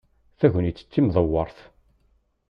Tagnit d timdewweṛt.